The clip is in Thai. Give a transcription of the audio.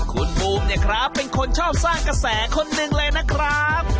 คุณบูมเนี่ยครับเป็นคนชอบสร้างกระแสคนหนึ่งเลยนะครับ